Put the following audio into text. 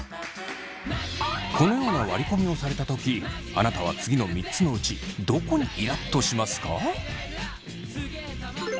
このような割り込みをされたときあなたは次の３つのうちどこにイラっとしますか？